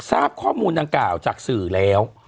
ทราบข้อมูลดังกล่าวจากสื่อแล้ว